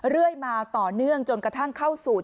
เรื่อยมาต่อเนื่องจนกระทั่งเข้าสู่